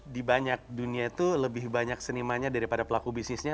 di banyak dunia itu lebih banyak senimannya daripada pelaku bisnisnya